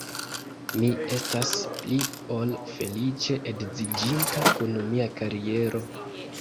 Mi estas pli ol feliĉe edziĝinta kun mia kariero.